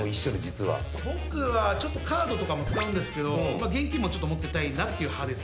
僕はカードとかも使うんですけど現金もちょっと持ってたいなっていう派です。